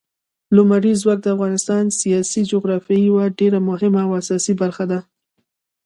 لمریز ځواک د افغانستان د سیاسي جغرافیې یوه ډېره مهمه او اساسي برخه ده.